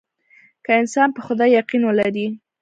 که انسان په خدای يقين ولري.